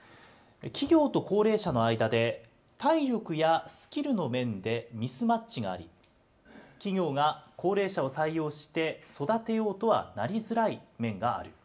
企業と高齢者の間で、体力やスキルの面でミスマッチがあり、企業が高齢者を採用して育てようとはなりづらい面がある。